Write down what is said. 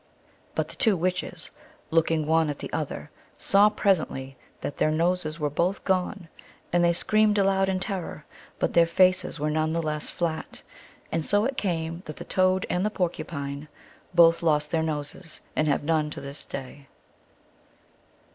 But the two witches, looking one at the other, saw presently that their noses were both gone, and they screamed aloud in terror, but their faces were none the less flat. And so it came that the Toad and the Porcupine both lost their noses and have none to this day.